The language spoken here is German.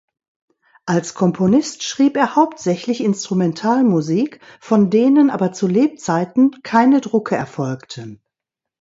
Als Komponist schrieb er hauptsächlich Instrumentalmusik, von denen aber zu Lebzeiten keine Drucke erfolgten.